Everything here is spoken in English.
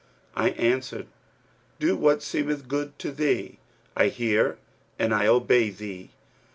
I answered, 'Do what seemeth good to thee; I hear and I obey thee.'